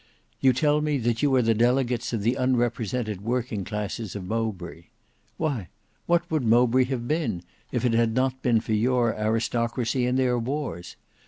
You tell me that you are the delegates of the unrepresented working classes of Mowbray. Why, what would Mowbray have been if it had not been for your aristocracy and their wars?